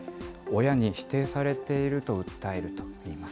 親に否定されていると訴えるといいます。